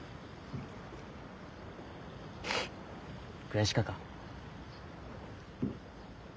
悔しかか？